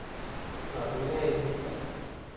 La ruïna era indubtable.